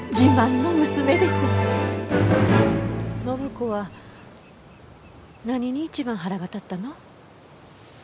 暢子は何に一番腹が立ったの？